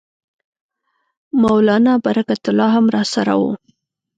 مولنا برکت الله هم راسره وو.